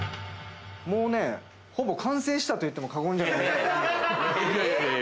もうね、ほぼ完成したと言っても過言ではない。